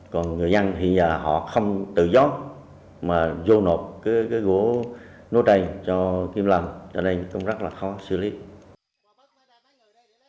còn người dân thì họ không tự do mà vô nộp cái gỗ nốt đầy cho kiểm lâm cho nên cũng rất là khó xử lý